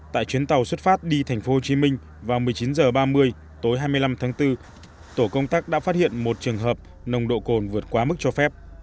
tại chuyến tàu xuất phát đi thành phố hồ chí minh vào một mươi chín h ba mươi tối hai mươi năm tháng bốn tổ công tác đã phát hiện một trường hợp nồng độ cồn vượt quá mức cho phép